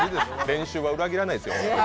練習は裏切らないですよ。